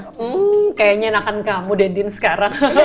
hmm kayaknya enakan kamu dedyin sekarang